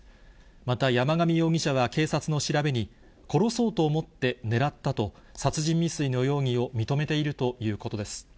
また、山上容疑者は警察の調べに、殺そうと思って狙ったと、殺人未遂の容疑を認めているということです。